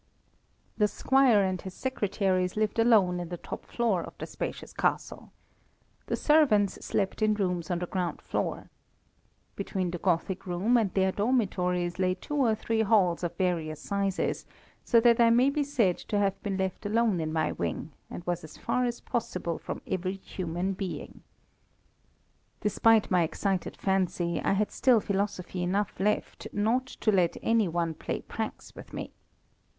The squire and his secretaries lived alone in the top floor of the spacious castle. The servants slept in rooms on the ground floor. Between the Gothic room and their dormitories lay two or three halls of various sizes, so that I may be said to have been left alone in my wing, and was as far as possible from every human being. Despite my excited fancy I had still philosophy enough left not to let any one play pranks with me.